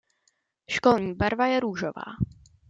Školní barva je růžová.